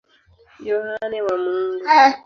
Yohane wa Mungu.